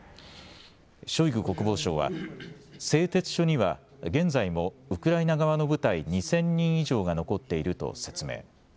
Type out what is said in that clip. ショイグ国防相は製鉄所には現在もウクライナ側の部隊２０００人以上が残っていると説明。